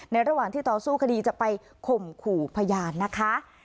ระหว่างที่ต่อสู้คดีจะไปข่มขู่พยานนะคะ